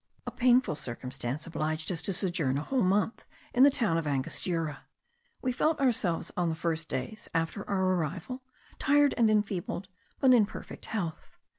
A painful circumstance obliged us to sojourn a whole month in the town of Angostura. We felt ourselves on the first days after our arrival tired and enfeebled, but in perfect health.